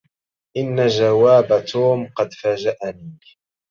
ان جواب توم قد فاجئني